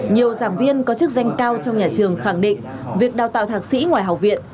nhiều giảng viên có chức danh cao trong nhà trường khẳng định việc đào tạo thạc sĩ ngoài học viện